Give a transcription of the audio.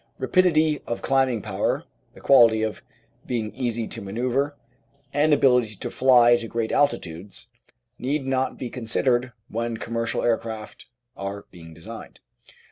Rapidity of climbing power, the quality of being easy to manoeuvre, and ability to fly to great altitudes need not be considered when commercial aircraft are being designed.